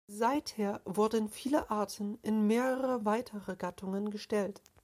Seither wurden viele Arten in mehrere weitere Gattungen gestellt.